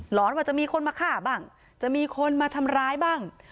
อนว่าจะมีคนมาฆ่าบ้างจะมีคนมาทำร้ายบ้าง